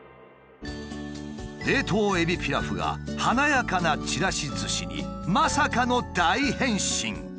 冷凍エビピラフが華やかなちらしずしにまさかの大変身！